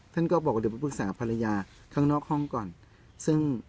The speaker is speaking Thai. ท่านก็บอกว่าเดี๋ยวไปปรึกษาภรรยาข้างนอกห้องก่อนซึ่ง